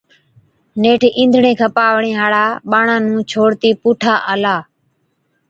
نيٺ، اِينڌڻي کپاوَڻي هاڙا ٻاڙان نُون ڇوڙتِي پُوٺا آلا،